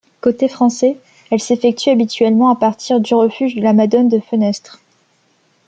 Côté français, elle s'effectue habituellement à partir du refuge de la Madone de Fenestre.